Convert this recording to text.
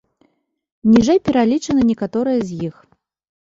Ніжэй пералічаны некаторыя з іх.